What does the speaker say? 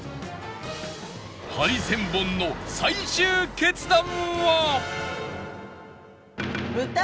ハリセンボンの最終決断は？